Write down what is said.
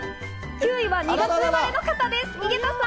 ９位は２月生まれの方です、井桁さん。